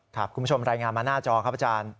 คุณผู้ชมรายงานมาหน้าจอครับอาจารย์